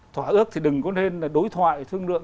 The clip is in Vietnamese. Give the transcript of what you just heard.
thỏa ước thì đừng có nên là đối thoại thương lượng